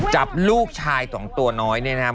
จับลูกชายของตัวน้อยเนี่ยนะครับ